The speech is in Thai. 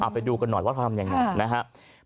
ไปดูกันหน่อยว่าเขาทำยังไงนะครับ